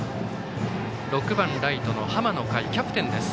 ６番ライトの濱野櫂キャプテンです。